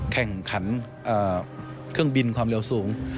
แข่งขันเครื่องบินความเร็วสูง